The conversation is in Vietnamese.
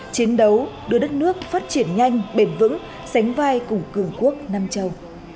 chiến đấu đưa đất nước phát triển nhanh bền vững sánh vai cùng cường quốc nam châu